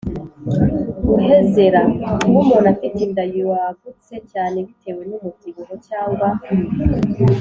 guhezera: kuba umuntu afite inda yagutse cyane bitewe n’umubyibuho cyangwa